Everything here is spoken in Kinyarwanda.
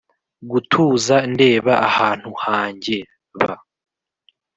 gutuza ndeba ahantu hanjye b